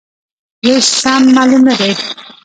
وېش سم معلوم نه دی.